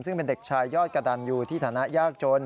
ซึ่งเป็นเด็กชายยอดกระดันอยู่ที่ฐานะยากจน